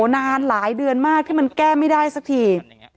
นานหลายเดือนมากที่มันแก้ไม่ได้สักที